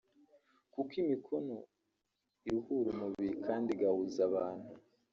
kuko imikono iruhura umubiri kandi igahuza abantu